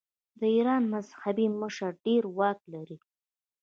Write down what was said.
د ایران مذهبي مشر ډیر واک لري.